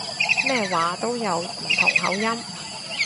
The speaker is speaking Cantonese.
咩話都有唔同口音